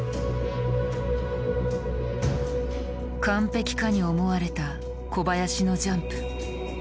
完璧かに思われた小林のジャンプ。